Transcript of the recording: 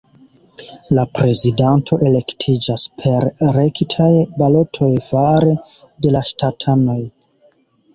La prezidanto elektiĝas per rektaj balotoj fare de la ŝtatanoj.